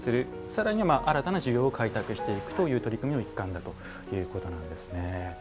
さらに新たな需要を開拓していく取り組みの一環だということなんですね。